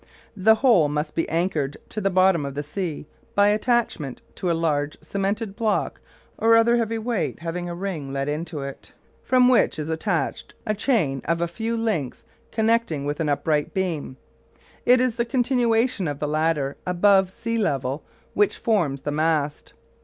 The whole must be anchored to the bottom of the sea by attachment to a large cemented block or other heavy weight having a ring let into it, from which is attached a chain of a few links connecting with an upright beam. It is the continuation of the latter above sea level which forms the mast.